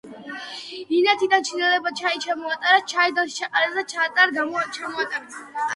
ინეთიდან ჩინელებმა ჩაი ჩამოიტანეს, ჩაიდანში ჩაყარეს და ჩაატარ-ჩამოატარეს.